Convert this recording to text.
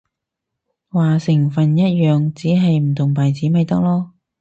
話成分一樣，只係唔同牌子咪得囉